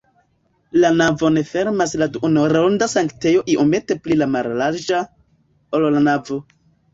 La navon fermas la duonronda sanktejo iomete pli mallarĝa, ol la navo.